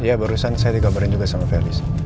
ya barusan saya dikabarin juga sama felis